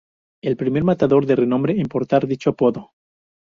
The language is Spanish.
El primer matador de renombre en portar dicho apodo.